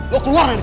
lo keluar dari sini